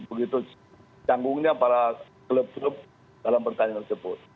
begitu canggungnya para klub klub dalam pertandingan tersebut